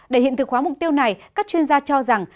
để hiện thực hóa mục tiêu này các chuyên gia cho rằng